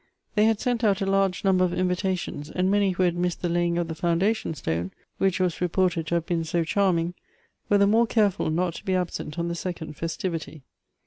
They had sent out a large number of invitations, and many who had missed the laying of the foundation stone, which was reported to have been so charming, were the more careful not to be absent on the second festivity.